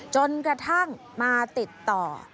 จนกระทั่งมาติดต่อ